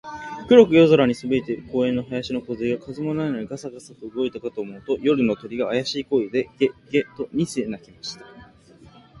黒く夜空にそびえている公園の林のこずえが、風もないのにガサガサと動いたかと思うと、夜の鳥が、あやしい声で、ゲ、ゲ、と二声鳴きました。